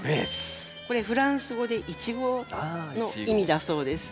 これフランス語でイチゴの意味だそうです。